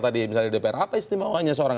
tadi misalnya dpr apa istimewanya seorang